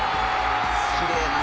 「きれいに！」